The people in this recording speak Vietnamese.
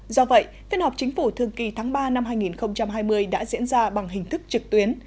do vậy phiên họp chính phủ thường kỳ tháng ba năm hai nghìn hai mươi đã diễn ra bằng hình thức trực tuyến